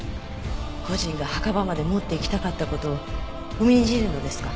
故人が墓場まで持っていきたかった事を踏みにじるのですか？